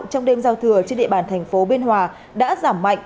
trong đêm giao thừa trên địa bàn thành phố biên hòa đã giảm mạnh